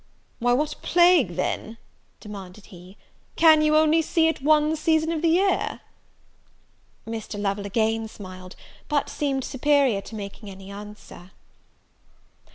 "Why, what a plague, then," demanded he, "can you only see at one season of the year?" Mr. Lovel again smiled; but seemed superior to making any answer.